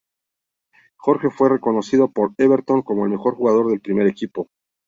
Jorge fue reconocido por Everton como el mejor jugador del primer equipo.